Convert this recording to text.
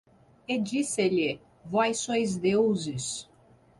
E disse-lhe: vós sois deuses